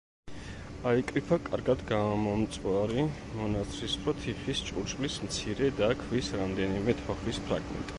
აიკრიფა კარგად გამომწვარი მონაცრისფრო თიხის ჭურჭლის მცირე და ქვის რამდენიმე თოხის ფრაგმენტი.